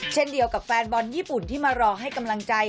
เช่นเดียวกับแฟนบอลญี่ปุ่นที่มารอให้กำลังใจ